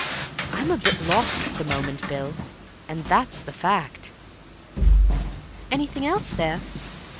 "I'm a bit lost for the moment, Bill, and that's the fact." "Anything else there?"